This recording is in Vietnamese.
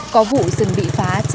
có vụ rừng bị phá trên năm hectare